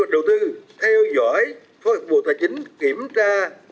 đầu tư theo dõi phó ước vụ tài chính kiểm tra